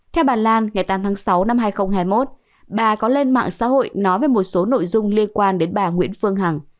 theo bà lan ngày tám tháng sáu năm hai nghìn hai mươi một bà có lên mạng xã hội nói về một số nội dung liên quan đến bà nguyễn phương hằng